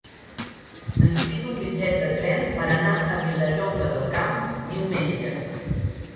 Necessito un bitllet de tren per anar a Vilallonga del Camp diumenge.